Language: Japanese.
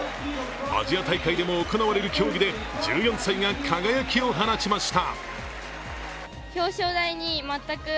アジア大会でも行われる競技で１４歳が輝きを放ちました。